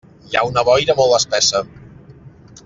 Hi ha una boira molt espessa.